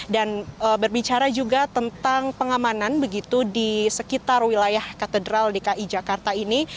dan berbicara juga tentang pengamanan begitu di sekitar wilayah katedral di ki jakarta ini